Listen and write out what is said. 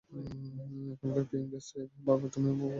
এখানকার পেয়িং গেস্টরা ভাবে তুমি আমার কল্পনার চরিত্র।